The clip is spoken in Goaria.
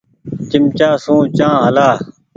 چمچآ سون چآنه هلآ۔